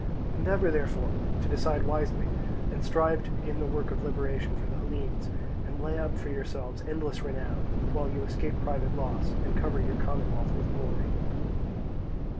Endeavour, therefore, to decide wisely, and strive to begin the work of liberation for the Hellenes, and lay up for yourselves endless renown, while you escape private loss, and cover your commonwealth with glory."